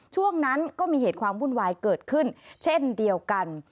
ช่วงนั้นก็มีเหตุความวุ่นวายเกิดขึ้นเช่นเดียวกัน